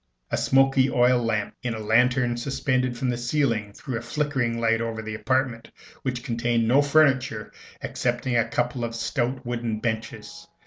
A smoky oil lamp in a lantern suspended from the ceiling threw a flickering light over the apartment, which contained no furniture excepting a couple of stout wooden benches.